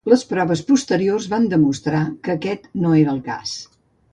Les proves posteriors van demostrar que aquest no era el cas.